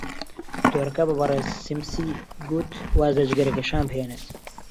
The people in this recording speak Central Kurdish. دکتۆرەکە بە بەڕێز سمیسی گوت واز لە جگەرەکێشان بهێنێت.